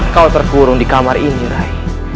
kau terkurung di kamar ini rai